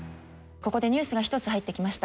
ここでニュースが一つ入ってきました。